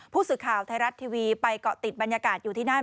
ผู้สื่อข่าวไทยรัฐทีวีไปเกาะติดบรรยากาศอยู่ที่นั่น